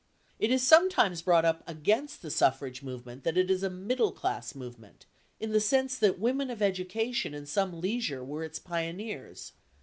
It is sometimes brought up against the suffrage movement that it is a middle class movement, in the sense that women of education and some leisure were its pioneers.